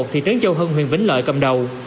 thị trấn châu hưng huyền vĩnh lợi cầm đầu